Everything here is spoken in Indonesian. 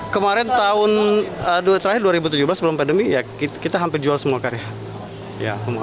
kemarin terakhir dua ribu tujuh belas sebelum pandemi ya kita hampir jual semua karya